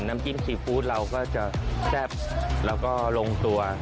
น้ำจิ้มซีฟู้ดเราก็จะแซ่บแล้วก็ลงตัว